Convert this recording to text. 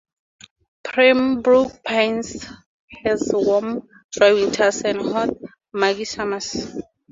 Pembroke Pines has warm, dry winters and hot, muggy summers.